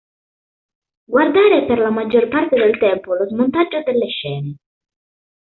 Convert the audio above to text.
Guardare per la maggior parte del tempo lo smontaggio delle scene.